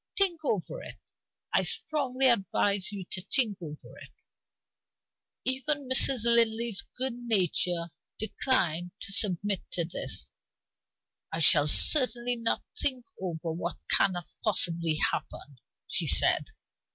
Think over it; I strongly advise you to think over it." Even Mrs. Linley's good nature declined to submit to this. "I shall certainly not think over what cannot possibly happen," she said.